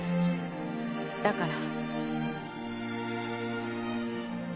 だから。